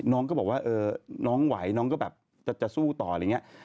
น้องก็บอกว่าน้องไหวน้องก็แบบจะสู้ต่ออะไรอย่างนี้